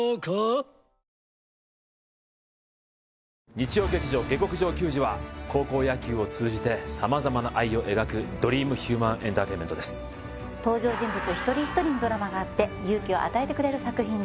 日曜劇場「下剋上球児」は高校野球を通じて様々な愛を描くドリームヒューマンエンターテインメントです登場人物ひとりひとりにドラマがあって勇気を与えてくれる作品です